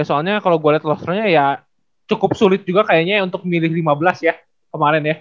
ya soalnya kalo gue liat leisternya ya cukup sulit juga kayaknya untuk milih lima belas ya kemarin ya